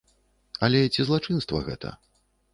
Але ці злачынства гэта?